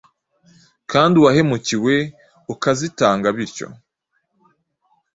kandi uwahemukiwe ukazitanga. Bityo,